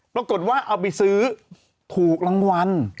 ปรากฏว่าเอาไปซื้อถูกรางวัล